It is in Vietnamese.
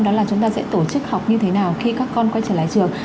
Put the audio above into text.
đó là chúng ta sẽ tổ chức học như thế nào khi các con quay trở lại trường